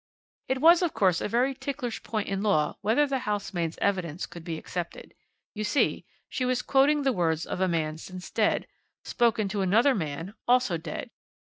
"It was, of course, a very ticklish point in law whether the housemaid's evidence could be accepted. You see, she was quoting the words of a man since dead, spoken to another man also dead.